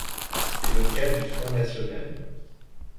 C’est le cas du Front national.